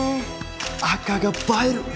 赤が映える・